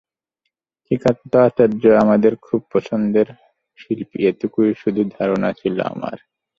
শ্রীকান্ত আচার্য আমাদের খুব পছন্দের শিল্পী এটুকুই শুধু ধারণা ছিল আমার।